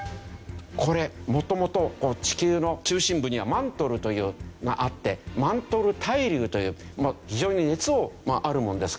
これもともと地球の中心部にはマントルというのがあってマントル対流という非常に熱をあるものですから。